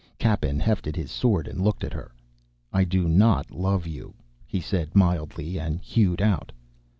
Cappen hefted his sword and looked at her. "I do not love you," he said mildly, and hewed out.